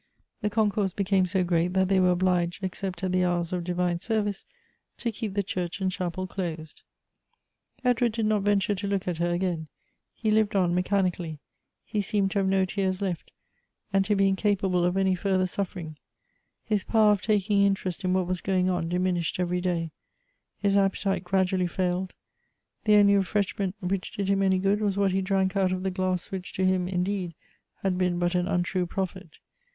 The concourse became so great, that they were obliged, ex cept at the hours of divine service, to keep the church and chapel closed. Edward did not venture to look at her again ;. he lived on Tnecbanically" ; he seemed to have no tears left, and Elective Affinities. 323 to be incapable of any further suffering ; his power of taking interest in what was going on diminished every> day; his appetite gradually failed. The only refresh ment which did him any good was what he drank out of the glass which to him, indeed, had been but an untrue prophet.